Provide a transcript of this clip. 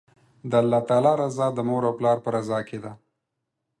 د الله تعالی رضا، د مور او پلار په رضا کی ده